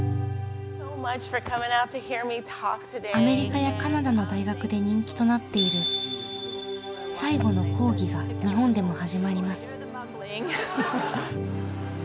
アメリカやカナダの大学で人気となっている「最後の講義」が日本でも始まります。